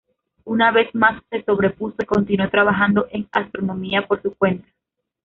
Una vez más se sobrepuso y continuó trabajando en astronomía por su cuenta.